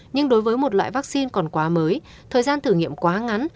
nhưng đối với một loại vaccine còn quá mới thời gian thử nghiệm quá ngắn